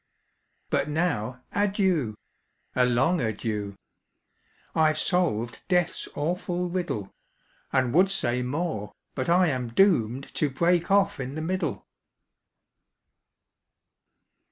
"But now, adieu a long adieu! I've solved death's awful riddle, And would say more, but I am doomed To break off in the middle!"